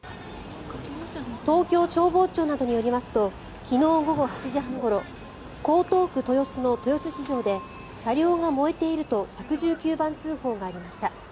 東京消防庁などによりますと昨日午後８時半ごろ江東区豊洲の豊洲市場で車両が燃えていると１１９番通報がありました。